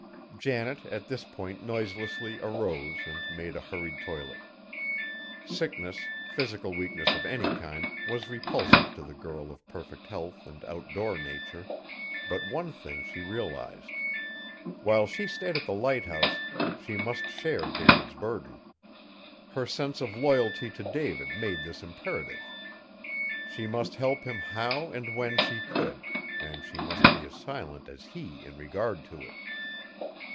Janet at this point noiselessly arose and made a hurried toilet. Sickness, physical weakness of any kind, was repulsive to the girl of perfect health and outdoor nature; but one thing she realized. While she stayed at the lighthouse she must share David's burden. Her sense of loyalty to David made this imperative. She must help him how and when she could; and she must be as silent as he in regard to it.